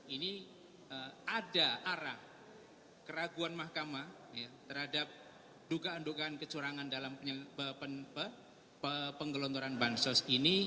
ini ada arah keraguan mahkamah terhadap dugaan dugaan kecurangan dalam penggelontoran bansos ini